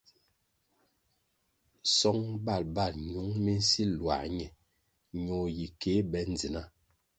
Song bal bal ñiung mi nsil luā ñe ñoh yi kéh be ndzina.